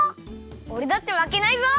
おれだってまけないぞ！